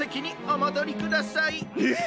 えっ！？